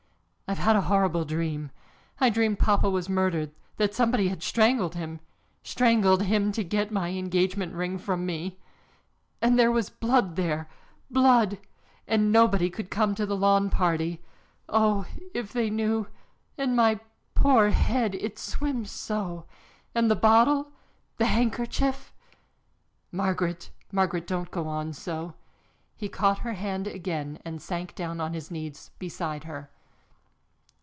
"I've had a horrible dream I dreamed papa was murdered that somebody had strangled him! Strangled him to get my engagement ring from me! And there was blood there, blood, and nobody could come to the lawn party. Oh, if they knew and my poor head it swims so! And the bottle the handkerchief " "Margaret, Margaret! Don't go on so!" He caught her hand again and sank down on his knees beside her.